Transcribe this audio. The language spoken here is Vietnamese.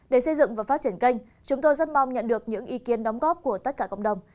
để xây dựng và phát triển kênh chúng tôi rất mong nhận được những ý kiến đóng góp của tất cả cộng đồng